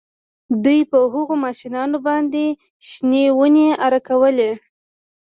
دوی په هغو ماشینونو باندې شنې ونې اره کولې